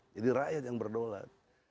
jadi rakyat yang berdolat